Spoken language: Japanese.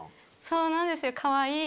そうなんですよかわいい。